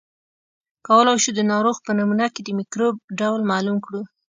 کولای شو د ناروغ په نمونه کې د مکروب ډول معلوم کړو.